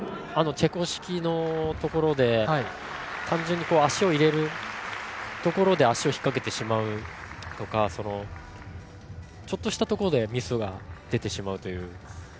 チェコ式のところで単純に足を入れるところで足を引っ掛けてしまうとかちょっとしたところでミスが出てしまうという。